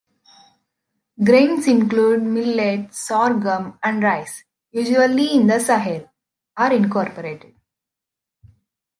Grains include millet, sorghum, and rice, usually in the sahel, are incorporated.